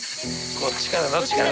こっちかなどっちかな